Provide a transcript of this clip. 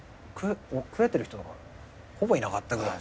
食えてる人とかほぼいなかったぐらい。